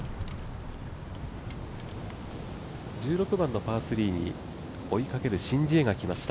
１６番のパー３、追いかけるシン・ジエがきました。